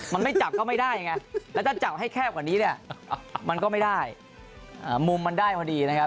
มันไม่จับก็ไม่ได้ไงแล้วถ้าจับให้แคบกว่านี้เนี่ยมันก็ไม่ได้มุมมันได้พอดีนะครับ